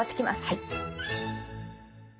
はい。